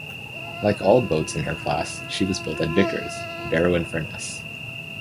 Like all boats in her class, she was built at Vickers, Barrow-in-Furness.